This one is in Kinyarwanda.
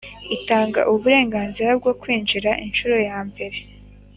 Itanga uburenganzira bwo kwinjira inshuro yambere